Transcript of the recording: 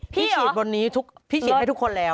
ฉีดบนนี้พี่ฉีดให้ทุกคนแล้ว